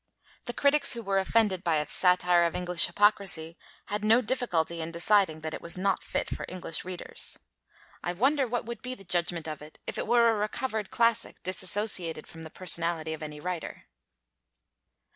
The critics who were offended by its satire of English hypocrisy had no difficulty in deciding that it was not fit for English readers. I wonder what would be the judgment of it if it were a recovered classic disassociated from the personality of any writer.